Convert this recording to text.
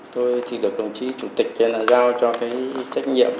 tôi thì được đồng chí chủ tịch là giao cho cái trách nhiệm